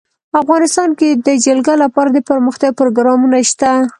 افغانستان کې د جلګه لپاره دپرمختیا پروګرامونه شته.